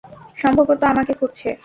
সম্ভবত আমাকে খুঁজছে।